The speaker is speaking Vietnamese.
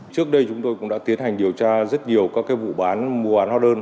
trước đây chúng tôi cũng đã tiến hành điều tra rất nhiều các vụ bán mua hóa đơn